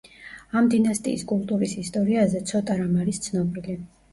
ამ დინასტიის კულტურის ისტორიაზე ცოტა რამ არის ცნობილი.